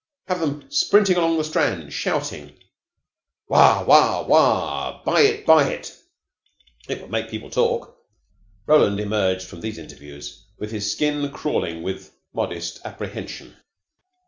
Have them sprinting along the Strand shouting, 'Wah! Wah! Wah! Buy it! Buy it!' It would make people talk." Roland emerged from these interviews with his skin crawling with modest apprehension.